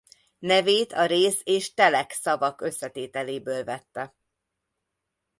Nevét a rész és telek szavak összetételéből vette.